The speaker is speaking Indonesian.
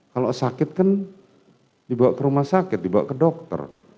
kalau sakit kan dibawa ke rumah sakit dibawa ke dokter